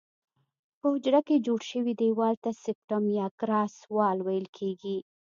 په حجره کې جوړ شوي دیوال ته سپټم یا کراس وال ویل کیږي.